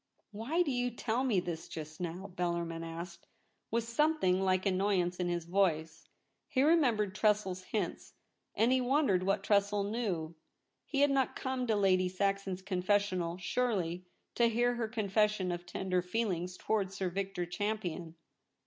* Why do you tell me this just now ?' Bellarmin asked, with something like annoy ance in his voice. He remembered Tressel's hints, and he wondered what Tressel knew. He had not come to Lady Saxon's confessional, surely, to hear her confession of tender feelings towards Sir Victor Champion.